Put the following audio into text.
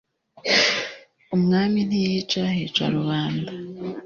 umwami ntiyica, hica rubanda